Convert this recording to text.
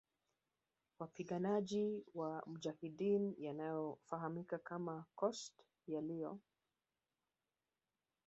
wapiganaji wa mujahideen yanayo fahamika kama Khost yaliyo